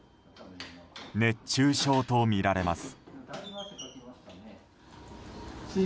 熱中症とみられます。